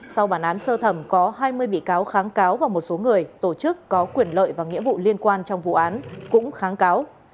sau bản án sơ thẩm có hai mươi bị cáo kháng cáo và một số người tổ chức có quyền lợi và nghĩa vụ liên quan trong vụ án cũng kháng cáo